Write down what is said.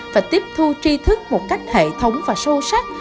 và tiếp thu tri thức một cách hệ thống và sâu sắc